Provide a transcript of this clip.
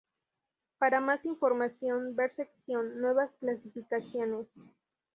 Para más información ver sección "Nuevas clasificaciones".